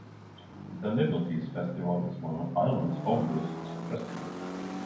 The Liberties Festival is one of Ireland's oldest festivals.